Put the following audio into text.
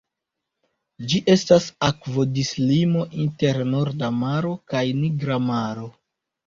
Ĝi estas akvodislimo inter Norda Maro kaj Nigra Maro.